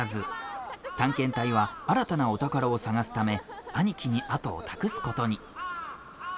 探検隊は新たなお宝を探すため兄貴に後を託すことに。